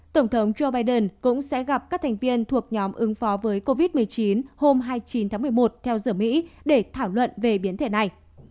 tổng thống joe biden cũng sẽ gặp các thành viên thuộc nhóm ứng phó với covid một mươi chín hôm hai mươi chín tháng một mươi một theo giờ mỹ để thảo luận về biến thể này